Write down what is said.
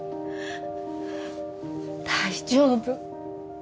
大丈夫。